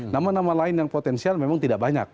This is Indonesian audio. nama nama lain yang potensial memang tidak banyak